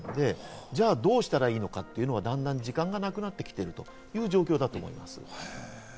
じゃあ、どうしたらいいのかというのがだんだん時間がなくなってきているという状況だと思います。